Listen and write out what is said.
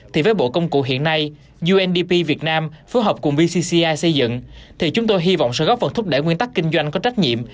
theo công cụ hiện nay undp việt nam phù hợp cùng vcci xây dựng thì chúng tôi hy vọng sở góp phần thúc đẩy nguyên tắc kinh doanh có trách nhiệm